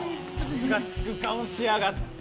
ムカつく顔しやがって！